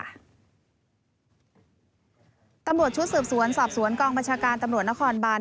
ตำรวจชุดสืบสวนสอบสวนกองบัญชาการตำรวจนครบาน